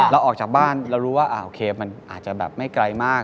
ออกจากบ้านเรารู้ว่าโอเคมันอาจจะแบบไม่ไกลมาก